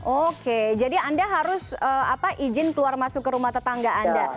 oke jadi anda harus izin keluar masuk ke rumah tetangga anda